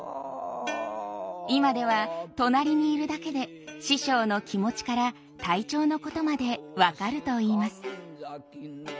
今では隣にいるだけで師匠の気持ちから体調のことまで分かるといいます。